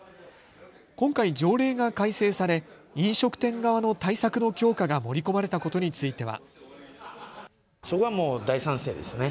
今回、条例が改正され飲食店側の対策の強化が盛り込まれたことについては。